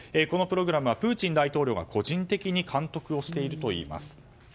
このプログラムはプーチン大統領が個人的に監督しているといいます。